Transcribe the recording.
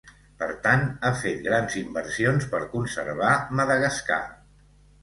Per tant, ha fet grans inversions per conservar Madagascar.